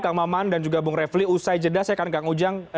kang maman dan juga bung refli usai jeda saya akan kang ujang